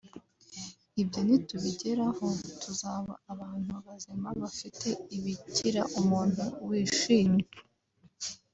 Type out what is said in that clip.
ibyo nitubigeraho tuzaba abantu bazima bafite ibigira umuntu wishimye